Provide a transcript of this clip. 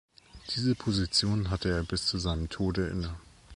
Diese Position hatte er bis zu seinem Tode inne.